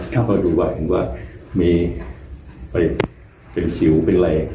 เผ่าดูว่าเป็นสิวเป็นไร